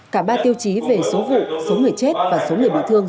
cả ba tiêu chí về số vụ số người chết và số người bị thương